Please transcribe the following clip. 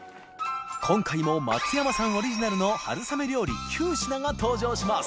禳２鵑松山さんオリジナルの春雨料理９品が登場します